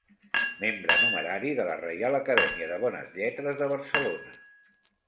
Membre numerari de la Reial Acadèmia de Bones Lletres de Barcelona.